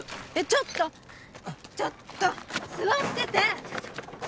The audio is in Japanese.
ちょっとちょっと座ってて！